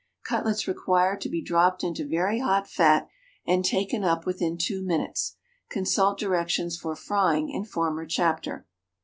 Cutlets require to be dropped into very hot fat, and taken up within two minutes. Consult directions for frying in former chapter.